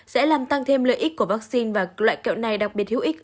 sẽ làm tăng thêm lợi ích của vaccine và loại kẹo này đặc biệt hữu ích